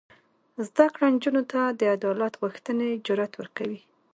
زده کړه نجونو ته د عدالت غوښتنې جرات ورکوي.